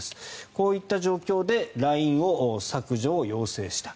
こういった状況でＬＩＮＥの削除を要請した。